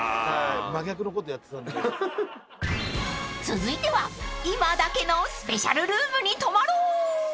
［続いては今だけのスペシャルルームに泊まろう］